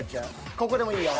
ここでもいいよ。